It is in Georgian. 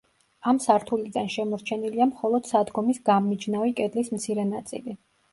ამ სართულიდან შემორჩენილია მხოლოდ სადგომის გამმიჯნავი კედლის მცირე ნაწილი.